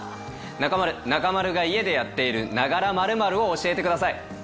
中丸、中丸が家でやっている、ながら○○を教えてください。